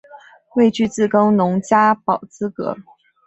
未具自耕农加保资格